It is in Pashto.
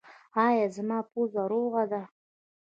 ایا زما پوزه روغه ده؟